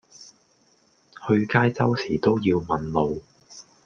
去街周時都要問路